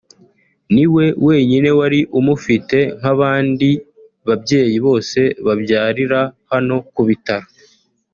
ni we wenyine wari umufite nk’abandi babyeyi bose babyarira hano ku bitaro